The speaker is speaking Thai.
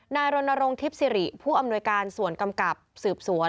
รณรงค์ทิพย์สิริผู้อำนวยการส่วนกำกับสืบสวน